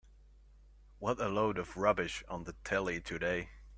What a load of rubbish on the telly today.